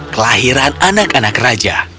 kelahiran anak anak raja